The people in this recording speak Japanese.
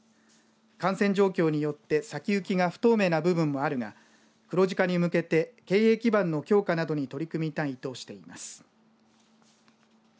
感染状況によって先行きが不透明な部分もあるが黒字化に向けて経営基盤の強化などに取り組みたいとしています。